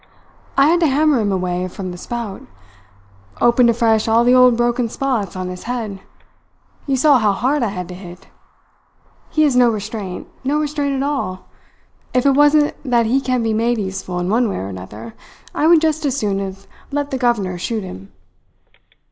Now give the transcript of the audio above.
"I had to hammer him away from the spout. Opened afresh all the old broken spots on his head. You saw how hard I had to hit. He has no restraint, no restraint at all. If it wasn't that he can be made useful in one way or another, I would just as soon have let the governor shoot him."